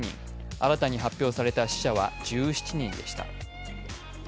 新たに発表された死者は１７人でした。